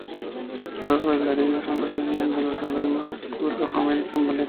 Los bailarines procedían de los alumnos de la School of American Ballet.